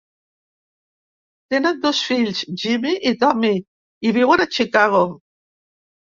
Tenen dos fills, Jimmy i Tommy, i viuen a Chicago.